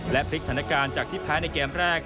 และพลิกสถานการณ์จากที่แพ้ในเกมแรก